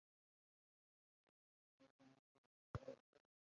Neymar ham, Messi ham emas: Mbappe "Oltin to‘p"ga asosiy da’vogarni aytdi